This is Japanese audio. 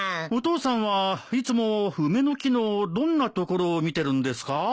お父さんはいつも梅の木のどんなところを見てるんですか？